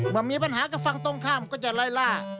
เมื่อมีปัญหากับฝั่งตรงข้ามก็จะไล่ล่า